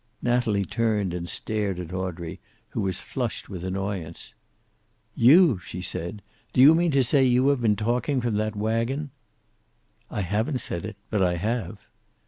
Natalie turned and stared at Audrey, who was flushed with annoyance. "You!" she said. "Do you mean to say you have been talking from that wagon?" "I haven't said it. But I have."